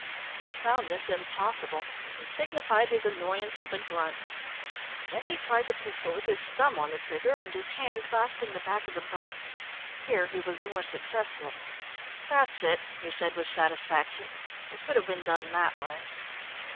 He found this impossible, and signified his annoyance with a grunt. Then he tried the pistol with his thumb on the trigger and his hand clasping the back of the butt. Here he was more successful. "That's it," he said with satisfaction. "It could have been done that way."